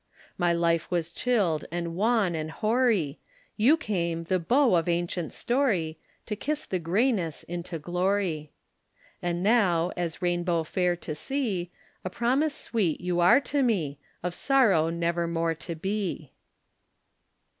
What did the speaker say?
My life was chilled and wan and hoary, You came, the Bow of ancient story, To kiss the grayness into glory. And now, as Rainbow fair to see, A promise sweet you are to me Of sorrow never more to be.